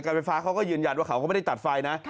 ไฟฟ้าเขาก็ยืนยันว่าเขาก็ไม่ได้ตัดไฟนะ